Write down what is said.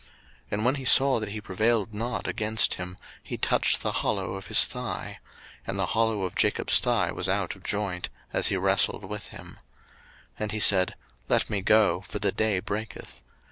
01:032:025 And when he saw that he prevailed not against him, he touched the hollow of his thigh; and the hollow of Jacob's thigh was out of joint, as he wrestled with him. 01:032:026 And he said, Let me go, for the day breaketh.